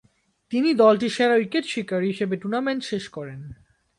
তিনি দলটির সেরা উইকেট শিকারী হিসাবে টুর্নামেন্ট শেষ করেন।